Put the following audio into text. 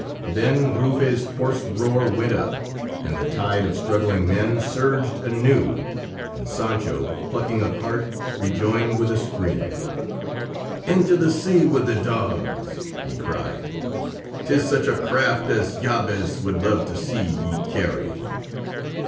Then Rufe's hoarse roar went up, and the tide of struggling men surged anew, and Sancho, plucking up heart, rejoined with a scream. "Into the sea with the dogs!" he cried. "'Tis such a craft as Jabez would love to see ye carry."